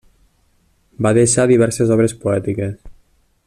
Va deixar diverses obres poètiques.